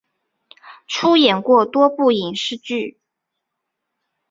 出演过多部影视剧。